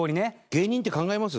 芸人って考えます？